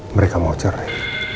mereka mau cerai